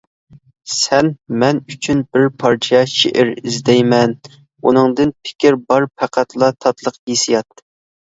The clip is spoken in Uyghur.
سەن مەن ئۈچۈن بىر پارچە شېئىر، ئىزدەيمەن ئۇنىڭدىن پىكىر، بار پەقەتلا تاتلىق ھېسسىيات.